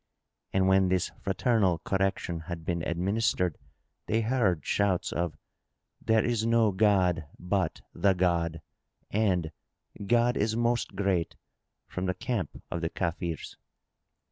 And when this fraternal correction had been administered they heard shouts of, "There is no God but the God!" and "God is Most Great!" from the camp of the Kafirs.